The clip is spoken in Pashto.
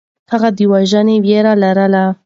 هغه د وژنې وېره لرله.